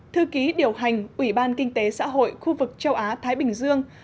thư ký điều hành ủy ban kinh tế xã hội khu vực châu á thái bình dương